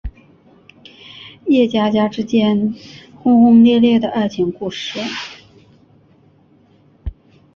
叶家家之间轰轰烈烈的爱情故事。